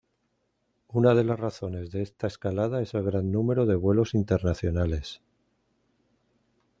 Una de las razones de esta escalada es el gran número de vuelos internacionales.